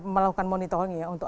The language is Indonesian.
melakukan monitoring ya untuk